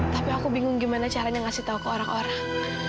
tapi aku bingung gimana caranya ngasih tahu ke orang orang